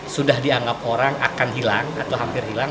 sudah dianggap orang akan hilang atau hampir hilang